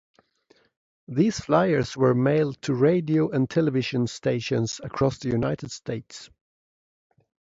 These flyers were mailed to radio and television stations across the United States.